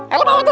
elom apaan tuh